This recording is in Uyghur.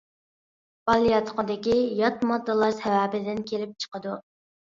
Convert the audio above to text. بالىياتقۇدىكى يات ماددىلار سەۋەبىدىن كېلىپ چىقىدۇ.